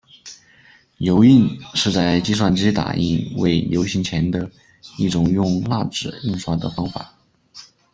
油印是在计算机打印未流行前的一种用蜡纸印刷的方法。